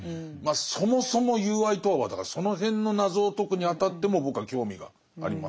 そもそも友愛とはだからその辺の謎を解くにあたっても僕は興味があります。